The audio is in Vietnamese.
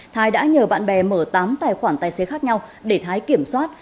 thái đã nhờ bạn bè mở tám tài khoản tài xế khác nhau để thái kiểm soát